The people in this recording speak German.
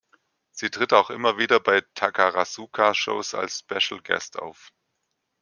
Sie tritt auch immer wieder bei Takarazuka-Shows als Special Guest auf.